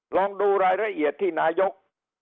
ลองดูรายละเอียดที่นายก